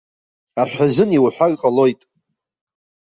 Аҳәа азын иуҳәар ҟалоит.